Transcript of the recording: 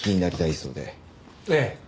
ええ。